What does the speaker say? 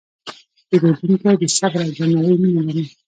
پیرودونکی د صبر او درناوي مینه لري.